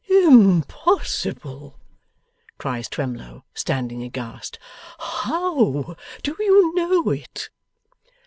'Impossible!' cries Twemlow, standing aghast. 'How do you know it?